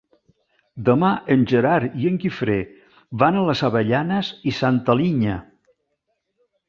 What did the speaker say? Demà en Gerard i en Guifré van a les Avellanes i Santa Linya.